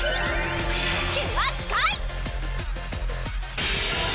キュアスカイ！